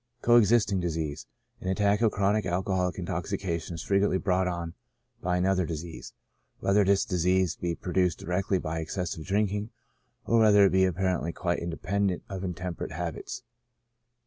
Coexisting Disease. — An attack of chronic alcoholic intoxi cation is frequently brought on by another disease, whether this disease be produced directly by excessive drinking, or whether it be apparently quite independent of intemperate habits.